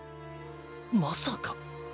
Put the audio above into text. まさか。